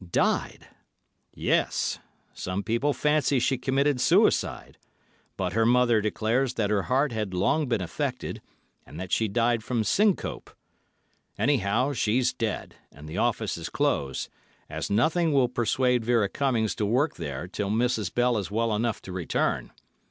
"Died!" "Yes! Some people fancy she committed suicide, but her mother declares that her heart had long been affected and that she died from syncope. Anyhow, she's dead, and the office is closed, as nothing will persuade Vera Cummings to work there till Mrs. Bell is well enough to return.